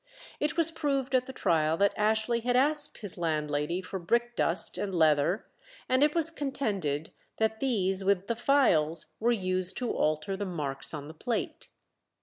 It was proved at the trial that Ashley had asked his landlady for brick dust and leather, and it was contended that these with the files were used to alter the marks on the plate.